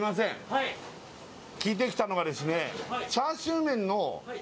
はい聞いてきたのがですね